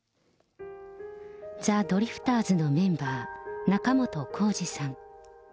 ザ・ドリフターズのメンバー、仲本工事さん。